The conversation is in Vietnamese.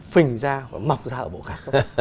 phình ra và mọc ra ở bộ khác